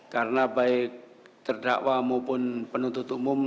karena baik terdakwa maupun penuntut umum